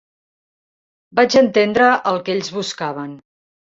Vaig entendre el que ells buscaven.